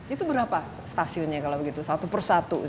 itu berapa stasiunnya kalau begitu satu persatu